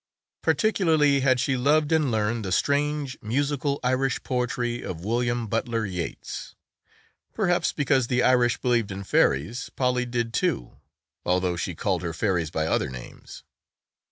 Particularly had she loved and learned the strange, musical Irish poetry of William Butler Yeats. Perhaps because the Irish believed in fairies Polly did too, although she called her fairies by other names.